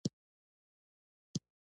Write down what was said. حامد کرزی د افغانستان عاشق دی.